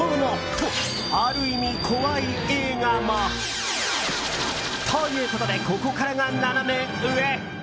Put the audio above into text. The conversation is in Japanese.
とある意味怖い映画も。ということでここからがナナメ上！